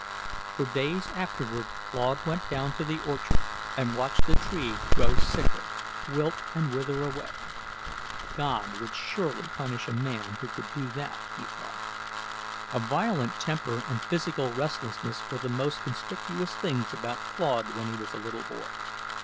For days afterward Claude went down to the orchard and watched the tree grow sicker, wilt and wither away. God would surely punish a man who could do that, he thought. A violent temper and physical restlessness were the most conspicuous things about Claude when he was a little boy.